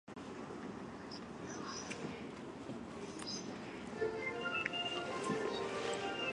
単一文の提出